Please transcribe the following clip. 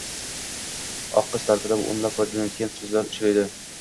Oqqiz ta'rifida o'nlab qofiyalangan so'zlar uchraydi